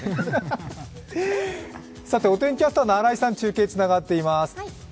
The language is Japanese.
さて、お天気キャスターの新井さん中継つながっています。